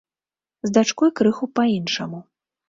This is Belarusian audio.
З дачкой крыху па-іншаму.